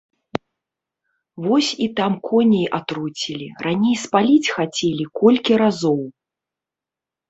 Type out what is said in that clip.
Вось і там коней атруцілі, раней спаліць хацелі колькі разоў.